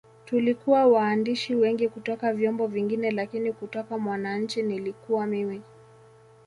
Tulikuwa waandishi wengi kutoka vyombo vingine lakini kutoka Mwananchi nilikuwa mimi